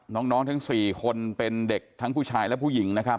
น้องทั้ง๔คนเป็นเด็กทั้งผู้ชายและผู้หญิงนะครับ